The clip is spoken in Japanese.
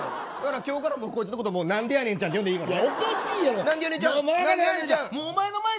今日からこいつのことなんでやねんちゃんって呼んでいいのかな。